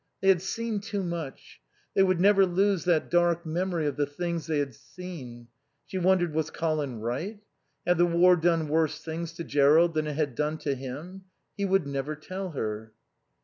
They had seen too much. They would never lose that dark memory of the things they had seen. She wondered, was Colin right? Had the war done worse things to Jerrold than it had done to him? He would never tell her.